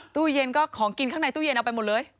ตู้เย็นก็ของกินข้างในตู้เย็นเอาไปหมดเลย